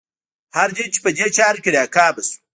هر دین چې په دې چارو کې ناکامه شو.